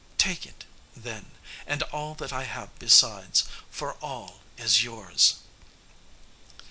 Take it, then, and all that I have besides, for all is yours."